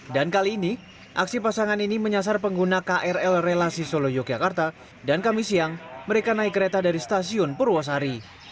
kali ini aksi pasangan ini menyasar pengguna krl relasi solo yogyakarta dan kami siang mereka naik kereta dari stasiun purwosari